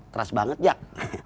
keras banget nyak